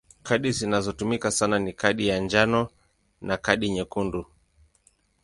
Kadi zinazotumika sana ni kadi ya njano na kadi nyekundu.